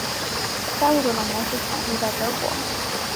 该物种的模式产地在德国。